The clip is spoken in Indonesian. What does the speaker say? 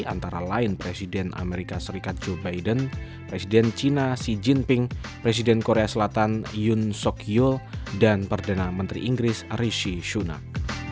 antara lain presiden amerika serikat joe biden presiden china xi jinping presiden korea selatan yun sok hyul dan perdana menteri inggris rishi shunak